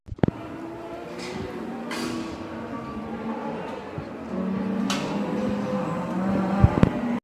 Filmas režisori un scenārija autori ir Fils Lords un Kristofers Millers.